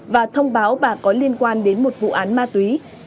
và thông báo bà có liên quan đến một vụ án ma túy